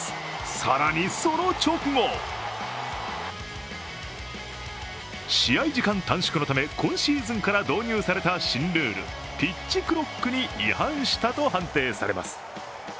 更にその直後試合時間短縮のため今シーズンから導入された新ルール、ピッチクロックに違反したと判定されます。